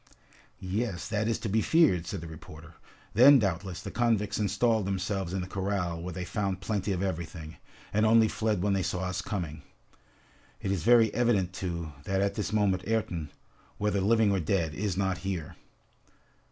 "Yes, that is to be feared!" said the reporter. "Then, doubtless, the convicts installed themselves in the corral where they found plenty of everything, and only fled when they saw us coming. It is very evident, too, that at this moment Ayrton, whether living or dead, is not here!"